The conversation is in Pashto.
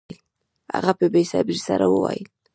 هغه په بې صبرۍ سره وویل